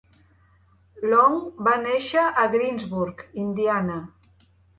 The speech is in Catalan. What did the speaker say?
Long va néixer a Greensburg, Indiana.